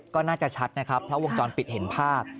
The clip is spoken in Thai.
ก็น่าจะชัดนะครับเพราะวงจรปิดเห็นภาพ